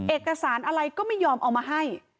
เอกสารอะไรก็ไม่ยอมเอามาให้